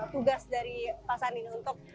tugas dari pasan ini untuk